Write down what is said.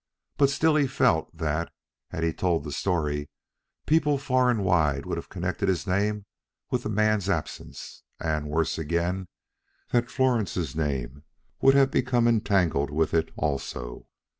But still he felt that, had he told the story, people far and wide would have connected his name with the man's absence, and, worse again, that Florence's name would have become entangled with it also.